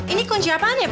ini kunci apaan ya pak